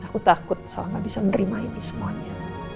aku takut salah gak bisa menerima ini semuanya